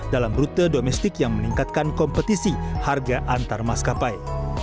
dalam rute domestik yang meningkatkan kompetisi harga antar maskapai